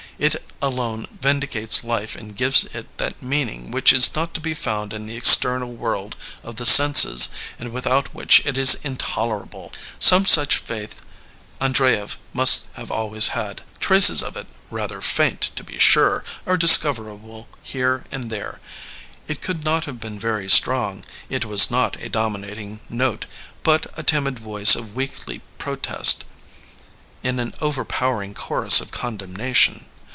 It alone vindicates life and gives it that meaning which is not to be found in the external world of the senses and without which it is intolerable. Some such faith Andreyev must have always had. Traces of it, rather faint, to be sure, are discoverable here and 28 LEONID ANDREYEV there. It could not have been very strong. It was not a dominating note, but a timid voice of weakly protest in an overpowering chorus of condemnation.